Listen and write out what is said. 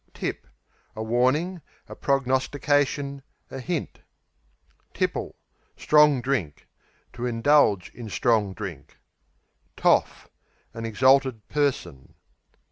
Tip A warning; a prognostication; a hint. Tipple Strong drink; to indulge in strong drink. Toff An exalted persogn.